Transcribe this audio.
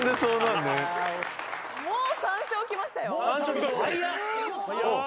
もう３笑きましたよ。